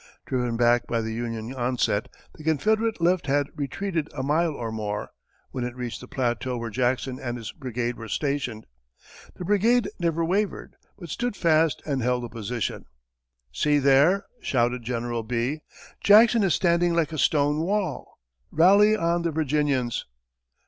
Driven back by the Union onset, the Confederate left had retreated a mile or more, when it reached the plateau where Jackson and his brigade were stationed. The brigade never wavered, but stood fast and held the position. "See there!" shouted General Bee, "Jackson is standing like a stone wall. Rally on the Virginians!"